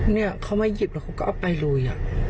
เนี่ยเขามาหยิบแล้วเขาก็เอาไปลุย